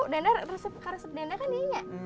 danda resep danda kan iya iya